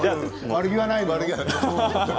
悪気はないの。